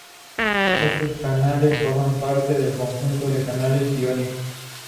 Estos canales forman parte de un conjunto de canales iónicos.